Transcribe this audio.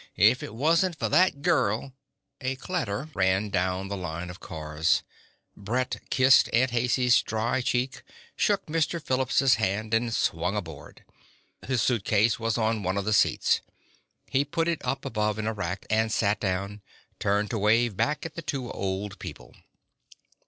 "If it wasn't for that girl " A clatter ran down the line of cars. Brett kissed Aunt Haicey's dry cheek, shook Mr. Phillips' hand, and swung aboard. His suitcase was on one of the seats. He put it up above in the rack, and sat down, turned to wave back at the two old people.